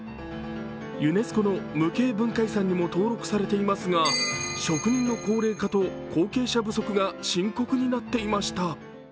ユネスコの無形文化遺産にも登録されていますが職人の高齢化と後継者不足が深刻になっていました。